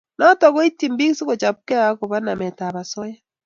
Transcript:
nitok koitchi piik si kochopkei akobo namet ab asoya